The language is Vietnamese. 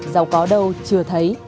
giàu có đâu chưa thấy